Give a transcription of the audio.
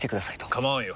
構わんよ。